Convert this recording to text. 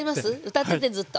歌っててずっと。